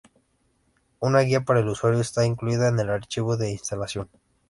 Una guía para el usuario está incluida en el archivo de instalación.